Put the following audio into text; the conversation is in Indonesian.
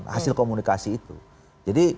hasil komunikasi itu jadi